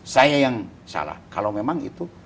saya yang salah kalau memang itu